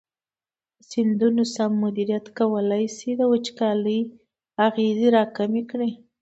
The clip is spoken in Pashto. د سیندونو سم مدیریت کولی شي د وچکالۍ اغېزې راکمې کړي.